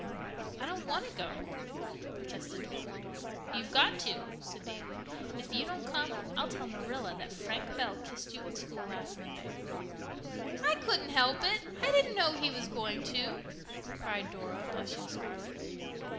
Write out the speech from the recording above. "I don't want to go," protested Dora. "You've got to," said Davy. "If you don't come I'll tell Marilla that Frank Bell kissed you in school last Monday." "I couldn't help it. I didn't know he was going to," cried Dora, blushing scarlet.